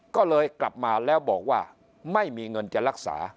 ก็เลยกลับมาแล้วบอกว่าไม่มีเงินจะรักษา